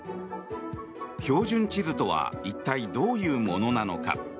標準地図とは一体、どういうものなのか。